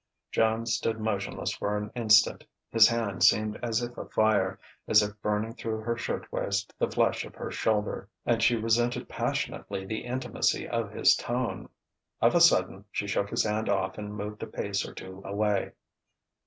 Joan stood motionless for an instant. His hand seemed as if afire, as if burning through her shirtwaist the flesh of her shoulder. And she resented passionately the intimacy of his tone. Of a sudden she shook his hand off and moved a pace or two away.